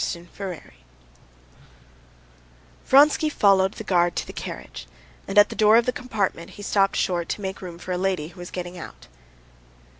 Chapter 18 Vronsky followed the guard to the carriage, and at the door of the compartment he stopped short to make room for a lady who was getting out.